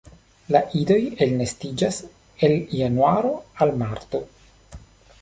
La idoj elnestiĝas el januaro al marto.